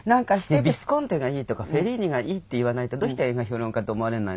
ヴィスコンティがいいとかフェリーニがいいって言わないとどうして映画評論家と思われないの？